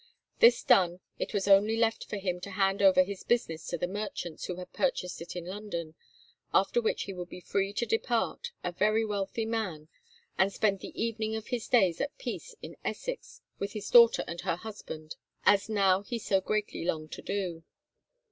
This done, it was only left for him to hand over his business to the merchants who had purchased it in London, after which he would be free to depart, a very wealthy man, and spend the evening of his days at peace in Essex, with his daughter and her husband, as now he so greatly longed to do.